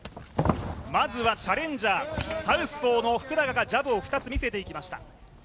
まずはチャレンジャー、サウスポーの福永がジャブを２つ見せてきました。